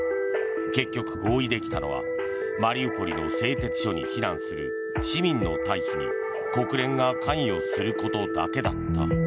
結局、合意できたのはマリウポリの製鉄所に避難する市民の退避に国連が関与することだけだった。